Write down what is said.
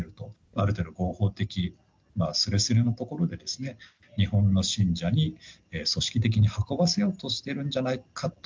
ある程度、合法的、すれすれのところで、日本の信者に組織的に運ばせようとしているんじゃないかと。